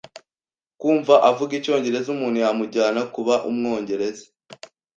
Kumva avuga icyongereza, umuntu yamujyana kuba umwongereza.